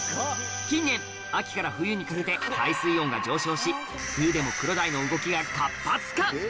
近年秋から冬にかけて海水温が上昇し冬でもクロダイの動きが活発化！